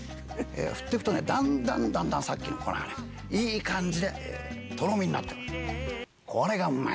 振ってくとねだんだんだんだんさっきの粉がいい感じでとろみになってくれる。